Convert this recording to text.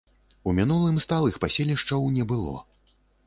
У мінулым сталых паселішчаў не было.